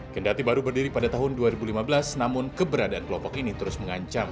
kendati baru berdiri pada tahun dua ribu lima belas namun keberadaan kelompok ini terus mengancam